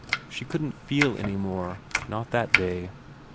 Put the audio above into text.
She couldn't feel any more, not that day.